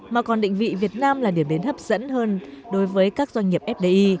mà còn định vị việt nam là điểm đến hấp dẫn hơn đối với các doanh nghiệp fdi